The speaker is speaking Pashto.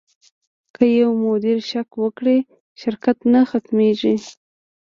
که یو مدیر شک وکړي، شرکت نه ختمېږي.